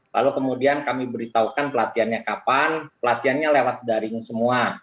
lalu kemudian kami beritahukan pelatihannya kapan pelatihannya lewat daring semua